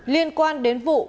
liên quan đến vụ